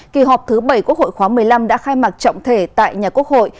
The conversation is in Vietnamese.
kỳ họp thứ bảy quốc hội khóa một mươi năm đã khai mạc trọng thể tại nhà quốc hội